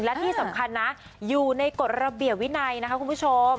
และที่สำคัญนะอยู่ในกฎระเบียบวินัยนะคะคุณผู้ชม